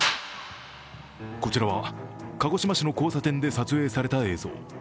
こちらは、鹿児島市の交差点で撮影された映像。